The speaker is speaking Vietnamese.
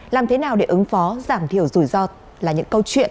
làm thế nào để ứng phó giảm thiểu rủi ro là những câu chuyện